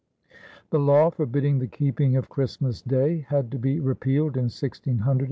The law forbidding the keeping of Christmas Day had to be repealed in 1681. Mrs.